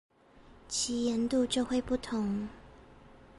其鹽度就會不同